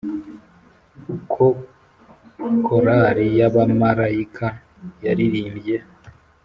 ko korali y'abamarayika yaririmbye -